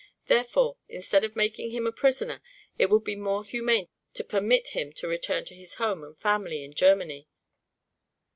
Therefore, instead of making him a prisoner, it would be more humane to permit him to return to his home and family in Germany."